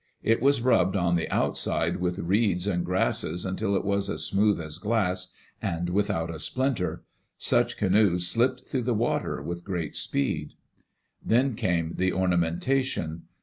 It was rubbed on the outside with reeds and grasses until it was as smooth as glass, and without a splinter. Such canoes slipped through the water with great speed. Then came the ornamentation.